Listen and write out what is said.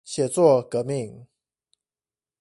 寫作革命